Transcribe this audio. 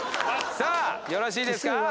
さあよろしいですか？